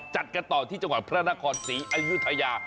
จัดกันต่อที่จังหวัดพระนครศรีอยุธยา